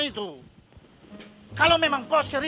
ke whatsapp cuma negara ini